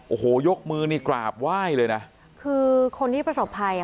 โอ้โหยกมือนี่กราบไหว้เลยนะคือคนที่ประสบภัยอ่ะ